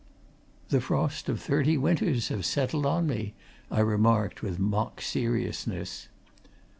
"The frost of thirty winters have settled on me," I remarked with mock seriousness.